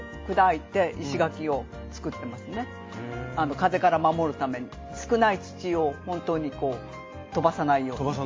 風から守るために少ない土を本当にこう飛ばさないように。